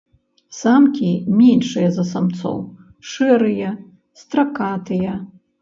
Самкі меншыя за самцоў, шэрыя, стракатыя.